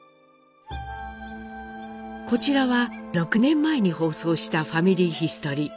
こちらは６年前に放送した「ファミリーヒストリー」。